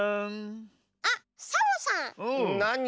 あっサボさん。